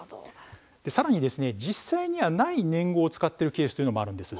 さらに実際にはない年号を使っているケースもあるんです。